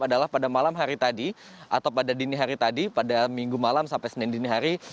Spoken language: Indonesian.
adalah pada malam hari tadi atau pada dini hari tadi pada minggu malam sampai senin dini hari